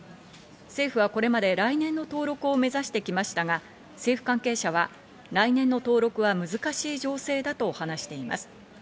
政府はこれまで来年の登録を目指してきましたが、政府関係者は、来年の登録は難しい情勢だと話しています。